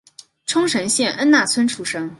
冲绳县恩纳村出身。